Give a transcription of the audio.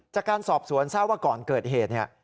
จากการสอบสวนทราบว่าก่อนเกิดเหตุเนี่ย